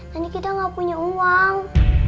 nanti kita gak punya uang